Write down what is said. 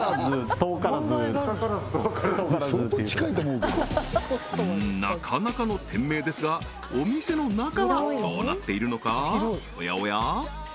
遠からずっていううんなかなかの店名ですがお店の中はどうなっているのかおやおや？